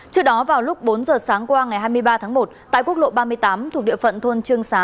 trước đó vào lúc bốn giờ sáng qua ngày hai mươi ba tháng một tại quốc lộ ba mươi tám thuộc địa phận thôn trương xá